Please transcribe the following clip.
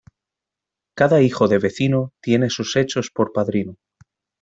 Cada hijo de vecino tiene sus hechos por padrino.